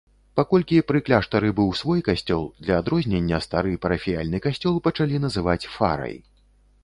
Паколькі пры кляштары быў свой касцёл, для адрознення стары парафіяльны касцёл пачалі называць фарай.